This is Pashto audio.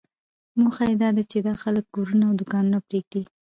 موخه یې داده چې دا خلک کورونه او دوکانونه پرېږدي.